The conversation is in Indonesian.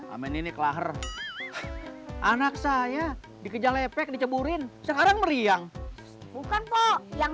amin ini kelahar anak saya dikejar lepek diceburin sekarang meriang bukan pak yang